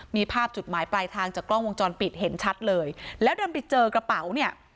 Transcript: มีภาพจุดหมายปลายทางจากกล้องวงจรปิดเห็นชัดเลยแล้วดันไปเจอกระเป๋าเนี่ย